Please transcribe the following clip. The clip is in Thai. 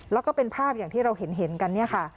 แล้วก็เป็นภาพอย่างที่เราเห็นกันเนี่ยค่ะ